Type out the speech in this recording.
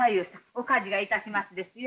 お梶がいたしますですよ。